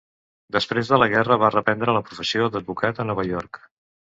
Després de la guerra va reprendre la professió d'advocat a Nova York.